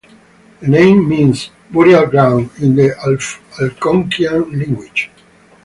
The name means "burial ground" in the Algonquian language.